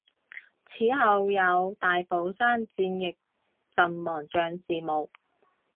祠后有大宝山战役阵亡将士墓。